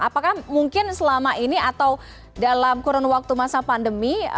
apakah mungkin selama ini atau dalam kurun waktu masa pandemi